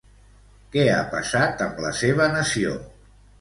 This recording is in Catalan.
Què ha passat amb la seva nació?